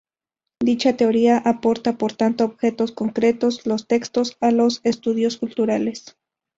Dicha "Teoría" aporta, por tanto, objetos concretos –los textos−, a los estudios culturales.